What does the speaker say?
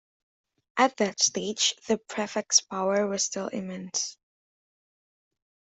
At that stage, the prefect's power was still immense.